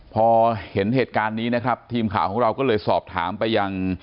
พอเห็นเหตุการณ์นี้นะครับทีมข่าวของเราก็เลยสอบถามไปยัง